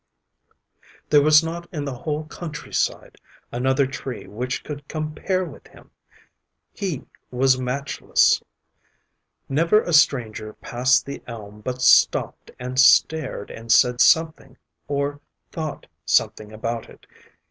There was not in the whole country side another tree which could compare with him. He was matchless. Never a stranger passed the elm but stopped and stared and said something or thought something about it.